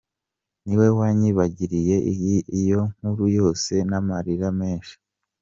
niwe wanyibwiriye iyo nkuru yose n’ amarira menshi.